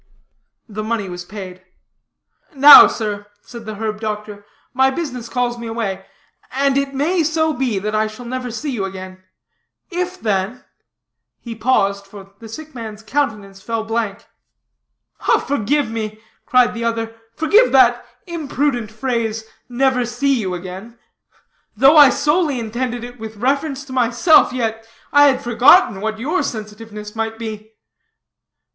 The money was paid. "Now, sir," said the herb doctor, "my business calls me away, and it may so be that I shall never see you again; if then " He paused, for the sick man's countenance fell blank. "Forgive me," cried the other, "forgive that imprudent phrase 'never see you again.' Though I solely intended it with reference to myself, yet I had forgotten what your sensitiveness might be.